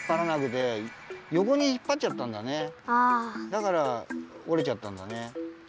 だから折れちゃったんだね。